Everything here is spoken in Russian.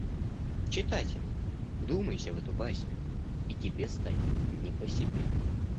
Читатель, вдумайся в эту басню и тебе станет не по себе.